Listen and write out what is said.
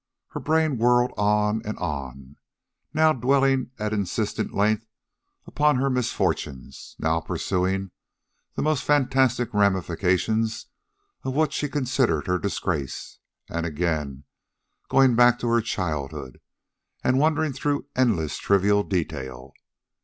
Her brain whirled on and on, now dwelling at insistent length upon her misfortunes, now pursuing the most fantastic ramifications of what she considered her disgrace, and, again, going back to her childhood and wandering through endless trivial detail.